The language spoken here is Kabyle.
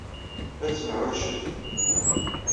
Ad temɛujjet.